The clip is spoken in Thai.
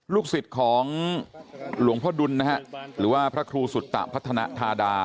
ลูกศิษย์ของหลวงพ่อดุลนะฮะหรือว่าพระครูสุตะพัฒนธาดา